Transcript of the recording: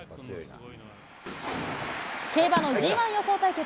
競馬のＧ１予想対決。